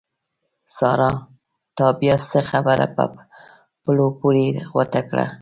سارا! تا بیا څه خبره په پلو پورې غوټه کړه؟!